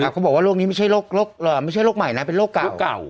เขาบอกว่าโรคนี้ไม่ใช่โรคใหม่นะเป็นโรคเก่า